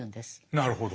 なるほど。